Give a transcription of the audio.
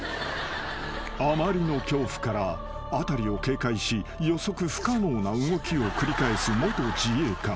［あまりの恐怖から辺りを警戒し予測不可能な動きを繰り返す元自衛官］